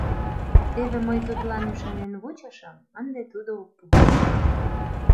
Теве мый тудлан ӱшанен вучышым, ынде тудо ок пу.